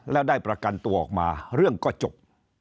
แล้วได้ประกันตัวออกมาเรื่องก็จบ